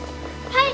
はい！